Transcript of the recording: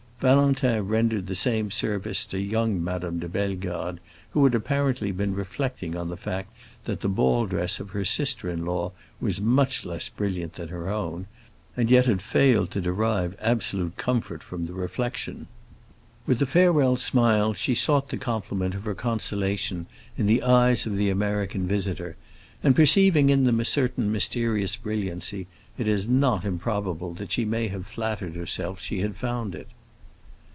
Valentin rendered the same service to young Madame de Bellegarde, who had apparently been reflecting on the fact that the ball dress of her sister in law was much less brilliant than her own, and yet had failed to derive absolute comfort from the reflection. With a farewell smile she sought the complement of her consolation in the eyes of the American visitor, and perceiving in them a certain mysterious brilliancy, it is not improbable that she may have flattered herself she had found it.